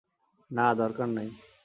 না, দরকার নাই।